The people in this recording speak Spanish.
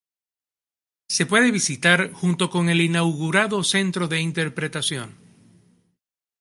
Se puede visitar junto con el inaugurado Centro de Interpretación.